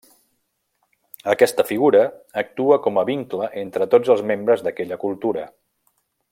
Aquesta figura actua com a vincle entre tots els membres d'aquella cultura.